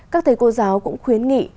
các thầy cô giáo cũng khuyến nghị